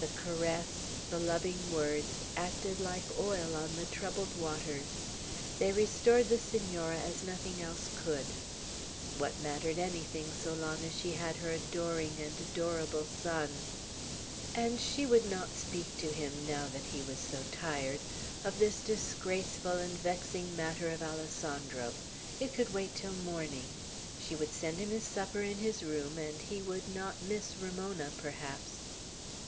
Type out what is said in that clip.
The caress, the loving words, acted like oil on the troubled waters. They restored the Senora as nothing else could. What mattered anything, so long as she had her adoring and adorable son! And she would not speak to him, now that he was so tired, of this disgraceful and vexing matter of Alessandro. It could wait till morning. She would send him his supper in his room, and he would not miss Ramona, perhaps.